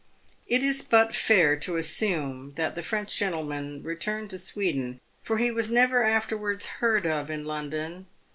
It is but fair to assume that the French gentleman returned to Sweden, for he was never afterwards heard of in London.